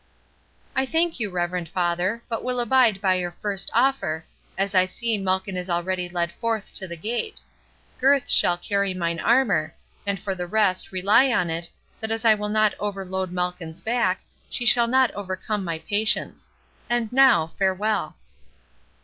"I thank you, reverend father, but will abide by your first offer, as I see Malkin is already led forth to the gate. Gurth shall carry mine armour; and for the rest, rely on it, that as I will not overload Malkin's back, she shall not overcome my patience. And now, farewell!"